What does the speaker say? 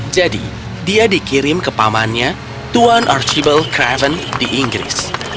jadi dia dikirim ke pamannya tuan archibald craven di inggris